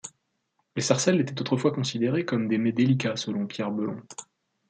Les sarcelles étaient autrefois considérées comme des mets délicats selon Pierre Belon.